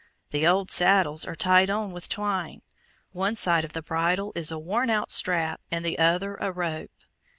The old saddles are tied on with twine; one side of the bridle is a worn out strap and the other a rope.